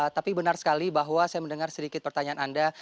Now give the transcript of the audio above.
tapi benar sekali bahwa saya mendengar sedikit pertanyaan anda